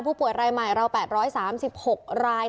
ผู้ป่วยรายใหม่เรา๘๓๖ราย